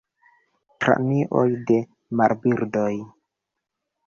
Kranioj de marbirdoj.